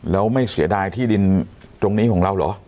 แล้วไม่เสียดายที่ดินตรงนี้ของเราเหรอ